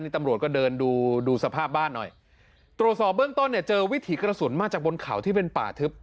ตำรวจก็เดินดูดูสภาพบ้านหน่อยตรวจสอบเบื้องต้นเนี่ยเจอวิถีกระสุนมาจากบนเขาที่เป็นป่าทึบ